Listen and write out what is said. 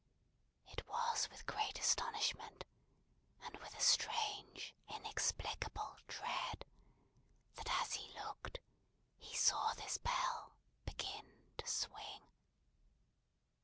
It was with great astonishment, and with a strange, inexplicable dread, that as he looked, he saw this bell begin to swing.